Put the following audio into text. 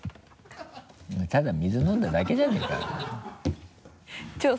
ただ水飲んだだけじゃねぇかよお前。